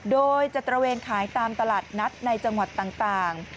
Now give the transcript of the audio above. โดยจะตระเวนขายตามตลาดนัดในจังหวัดต่าง